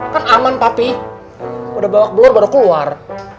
kan aman papi udah bawa keluar baru keluar